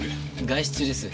外出中です。